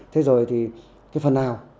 thế rồi thì cái phần nào